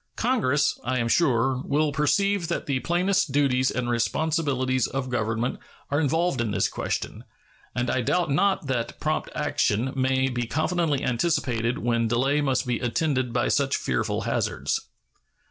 Congress, I am sure, will perceive that the plainest duties and responsibilities of Government are involved in this question, and I doubt not that prompt action may be confidently anticipated when delay must be attended by such fearful hazards.